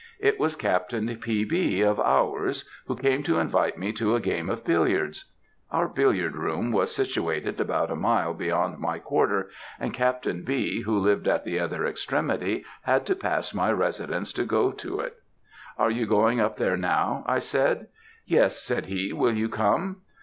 It was Captain P. B. of ours, who came to invite me to a game of billiards. Our billiard room was situated about a mile beyond my quarter, and Captain B., who lived at the other extremity, had to pass my residence to go to it. "'Are you going up there now?' I said. "'Yes,' said he; 'will you come?'